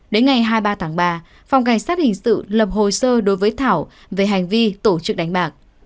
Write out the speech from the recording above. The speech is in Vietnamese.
đến ngày hai mươi ba tháng ba phòng cảnh sát hình sự lập hồ sơ đối với thảo về hành vi tổ chức đánh bạc